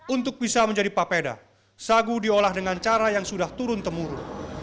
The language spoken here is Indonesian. untuk bisa menjadi papeda sagu diolah dengan cara yang sudah turun temurun